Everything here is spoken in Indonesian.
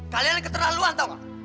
kalian keterlaluan tau gak